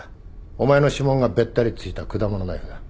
お前の指紋がべったりついた果物ナイフだ。